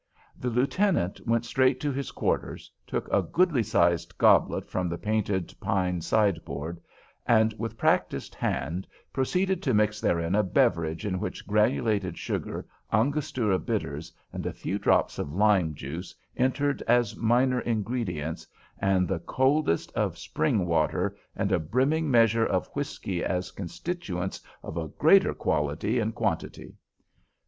The lieutenant went straight to his quarters, took a goodly sized goblet from the painted pine sideboard, and with practised hand proceeded to mix therein a beverage in which granulated sugar, Angostura bitters, and a few drops of lime juice entered as minor ingredients, and the coldest of spring water and a brimming measure of whiskey as constituents of greater quality and quantity.